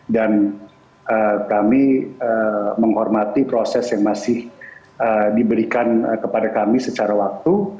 dan kami menghormati proses yang masih diberikan kepada kami secara waktu